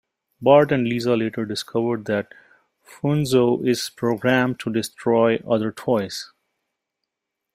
Bart and Lisa later discover that Funzo is programmed to destroy other toys.